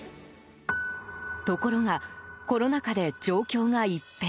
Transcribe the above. ところがコロナ禍で状況が一変。